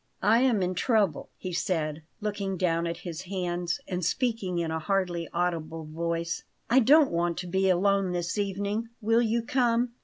"I am in trouble," he said, looking down at his hands and speaking in a hardly audible voice. "I don't want to be alone this evening. Will you come?"